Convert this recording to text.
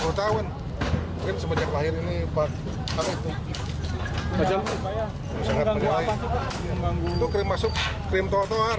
berapa lama pak semenjak lahir ini